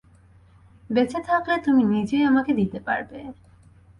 বেঁচে থাকলে তুমি নিজেই আমাকে দিতে পারবে।